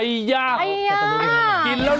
มิชุนา